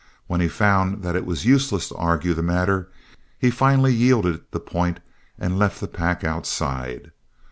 When he found that it was useless to argue the matter, he finally yielded the point and left the pack outside.